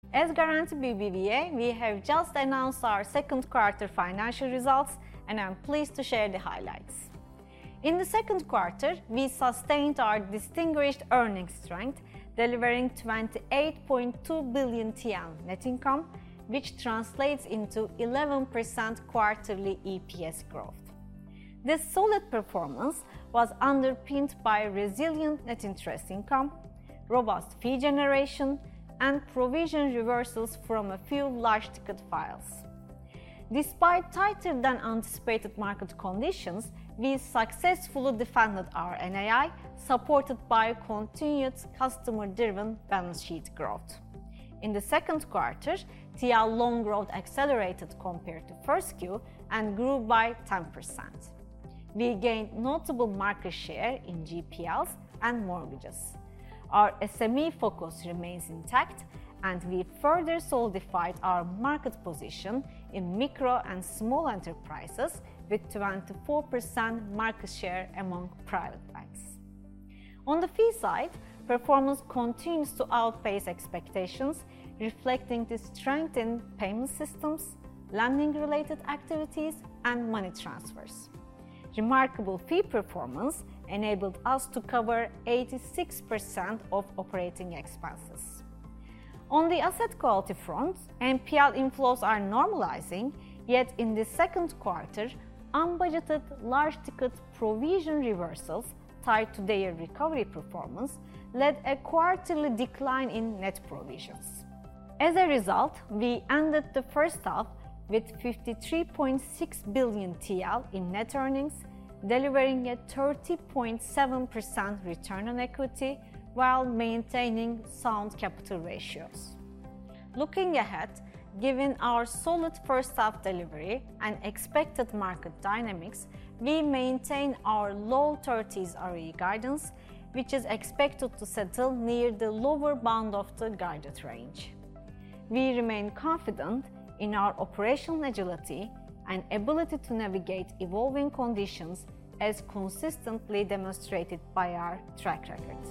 As Garanti BBVA we have just announced our second quarter financial results and I'm pleased to share the highlights. In the second quarter we sustained our distinguished earnings strength delivering 28.2 billion TL net income which translates into 11% quarterly EPS growth. This solid performance was underpinned by resilient Net interest income, robust fee generation and provision reversals from a few large ticket files. Despite tighter than anticipated market conditions, we successfully defended our NII supported by continued customer driven balance sheet growth. In the second quarter, TL loan growth accelerated compared to first quarter and grew by 10%. We gained notable market share in GPLs and mortgages. Our SME focus remains intact and we further solidified our market position in micro and small enterprises with 24% market share among private banks. On the fee side, performance continues to outpace expectations, reflecting the strength in payment systems, lending related activities and money transfers. Remarkable fee performance enabled us to cover 86% of operating expenses. On the Asset quality front, NPL inflows are normalizing, yet in the second quarter, unbudgeted large ticket provision reversals tied to their recovery performance led a quarterly decline in Net provisions. As a result, we ended the first half with 53.6 billion TL in Net earnings, delivering a 30.7% Return on equity while maintaining sound Capital ratios. Looking ahead, given our solid first half delivery and expected market dynamics, we maintain our low 30s ROE guidance which is expected to settle near the lower bound of the guided range. We remain confident in our operational agility and ability to navigate evolving conditions as consistently demonstrated by our track records.